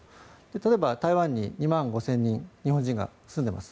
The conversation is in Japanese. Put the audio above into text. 例えば、台湾に２万５０００人日本人が住んでいます。